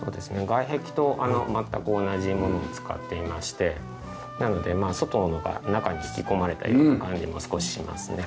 外壁と全く同じ物を使っていましてなので外のが中に引き込まれたような感じも少ししますね。